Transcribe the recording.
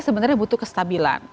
sebenarnya butuh kestabilan